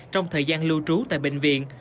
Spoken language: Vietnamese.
trong thời gian lưu trú tại bệnh viện